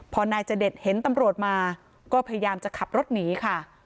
พอนายจเดชเห็นตำรวจมาก็พยายามจะขับรถหนีค่ะ